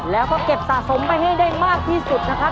แล้วก็เก็บสะสมไปให้ได้มากที่สุดนะครับ